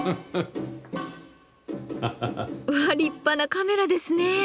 うわ立派なカメラですね。